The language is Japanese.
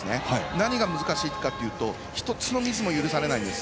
何が難しいかというと１つのミスも許されないんです。